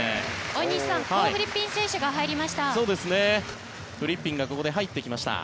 大西さんコー・フリッピン選手が出てきました。